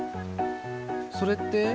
それって？